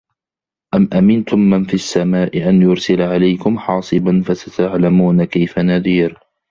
أَم أَمِنتُم مَن فِي السَّماءِ أَن يُرسِلَ عَلَيكُم حاصِبًا فَسَتَعلَمونَ كَيفَ نَذيرِ